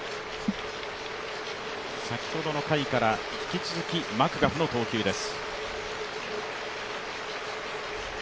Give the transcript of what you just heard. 先ほどの回から引き続きマクガフの投球です。